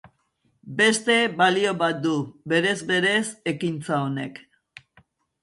Beste balio bat du, bere-berez, ekintza honek.